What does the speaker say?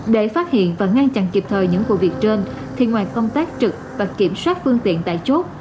để phát hiện và ngăn chặn kịp thời những vụ việc trên thì ngoài công tác trực và kiểm soát phương tiện tại chốt